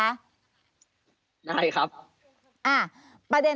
ได้ครับ